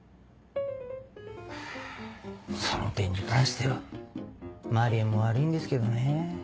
ハァその点に関しては万里江も悪いんですけどね。